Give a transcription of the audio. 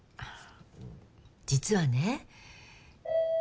実はね。